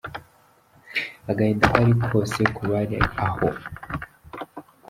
Agahinda kari kose ku bari aho.